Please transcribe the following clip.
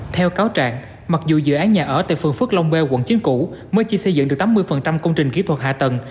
theo cáo trạng mặc dù dự án nhà ở tại phường phước long b quận chín củ mới chỉ xây dựng được tám mươi công trình kỹ thuật hạ tầng